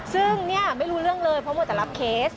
ซึ่งเนี่ยไม่รู้เรื่องเลยเพราะมัวแต่รับเคส